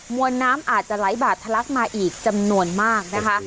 วนน้ำอาจจะไหลบาดทะลักมาอีกจำนวนมากนะคะ